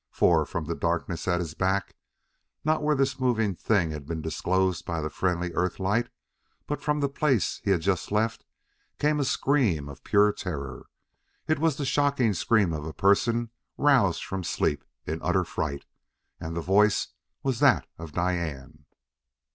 For, from the darkness at his back not where this moving thing had been disclosed by the friendly Earth light, but from the place he had just left came a scream of pure terror. It was the shocking scream of a person roused from sleep in utter fright, and the voice was that of Diane.